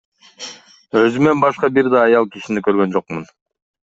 Өзүмөн башка бир да аял кишини көргөн жокмун.